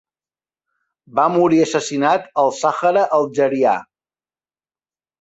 Va morir assassinat al Sàhara algerià.